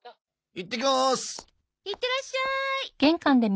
いってらっしゃーい。